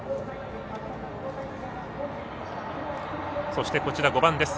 そして、こちら５番です。